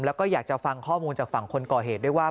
แล้วก็อยากจะฟังข้อมูลจากฝั่งคนก่อเหตุด้วยว่า